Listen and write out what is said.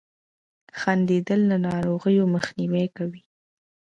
• خندېدل له ناروغیو مخنیوی کوي.